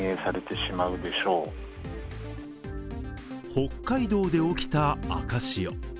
北海道で起きた赤潮。